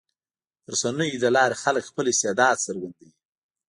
د رسنیو له لارې خلک خپل استعداد څرګندوي.